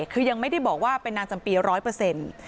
คือยังไม่ได้บอกว่าเป็นนางจำปีร้อยเปอร์เซ็นต์